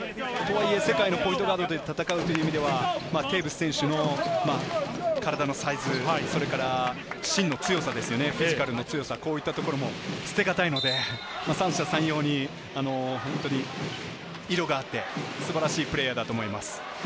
世界のポイントガードと戦うという意味ではテーブス選手の体のサイズ、芯の強さ、フィジカルの強さ、こういったところも捨てがたいので、三者三様に色があって素晴らしいプレーヤーだと思います。